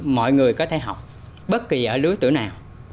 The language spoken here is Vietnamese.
mọi người có thể học bất kỳ ở lứa tử nào